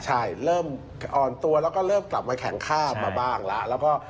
ใช่เริ่มอ่อนตัวแล้วก็เริ่มกลับมาแข็งคาบมาบ้างแล้วแล้วก็